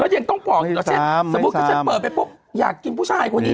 แล้วยังต้องปล่อยหรอถ้าเฉพาะฉันเปิดไปอยากกินผู้ชายคนนี้